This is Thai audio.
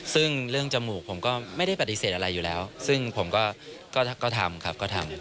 ซึ่งเรื่องจมูกผมก็ไม่ได้ปฏิเสธอะไรอยู่แล้วซึ่งผมก็ทำครับก็ทำ